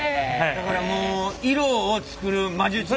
だからもう色を作る魔術師的な。